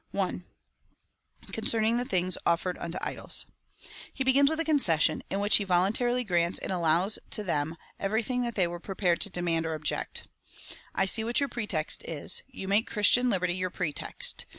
1. Concerning things offered unto idols. He begins with a concession, in which he voluntarily grants and allows to them everything that they were prepared to demand or object. " I see what your pretext is : you make Christian liberty your pretext.